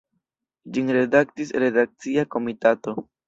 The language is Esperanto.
Ĝin redaktis redakcia komitato.